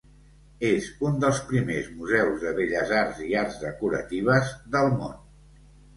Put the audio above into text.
És un dels primers museus de belles arts i arts decoratives del món.